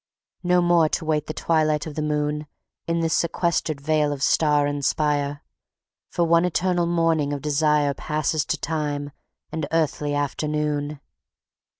No more to wait the twilight of the moon in this sequestered vale of star and spire, for one eternal morning of desire passes to time and earthy afternoon.